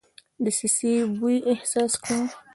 دسیسې بوی احساس کړ.